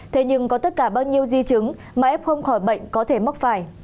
thế nhưng có tất cả bao nhiêu di chứng mà f không khỏi bệnh có thể mắc phải